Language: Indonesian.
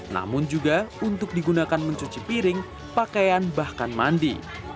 namun juga untuk digunakan mencuci piring pakaian bahkan mandi